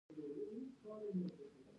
د کاغذ سپمول د ونو سپمول دي